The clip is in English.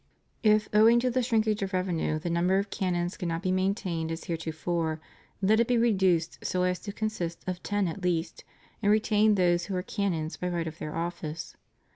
If, owing to the shrinkage of revenue, the number of canons cannot be maintained as heretofore, let it be reduced so as to consist of ten at least, and retain those who are canons by right of their office.